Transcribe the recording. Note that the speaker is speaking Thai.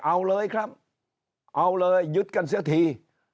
เอาเลยครับเอาเลยยึดกันเสียที